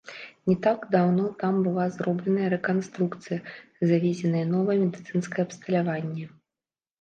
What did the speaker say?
Не так даўно там была зробленая рэканструкцыя, завезенае новае медыцынскае абсталяванне.